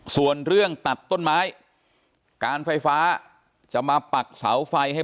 ส่วนเรื่องตัดต้นไม้การไฟฟ้าจะมาปักเสาไฟให้